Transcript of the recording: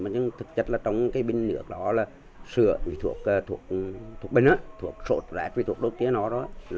nhưng thực chất là trong cái binh nước đó là sữa thuộc binh á thuộc sốt rác thuộc đồ kia nó đó